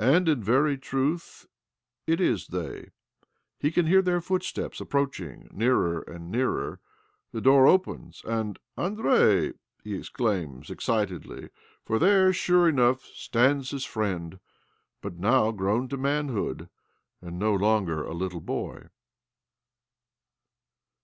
And in very truth it is they— he can hear their footsteps approaching nearer and nearer ! The door opens, and " Andrei !" he exclaims excitedly, for there, sure enough, stands his friend— but now grown to manhood, and no longer a little boy